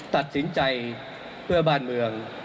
ตัดสินใจเพื่อบ้านเมือง